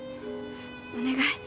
お願い